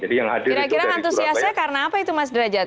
kira kira antusiasnya karena apa itu mas dura jat